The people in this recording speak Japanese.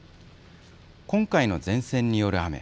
今回の前線による雨。